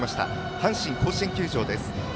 阪神甲子園球場です。